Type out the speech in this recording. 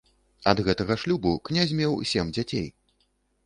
Ад гэтага шлюбу князь меў сем дзяцей.